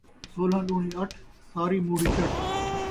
سولھاں ݙوݨی اٹھ ، ساری موڑھی چٹ